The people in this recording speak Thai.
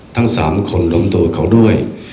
ทั้ง๓คนรวมตัวเขาด้วย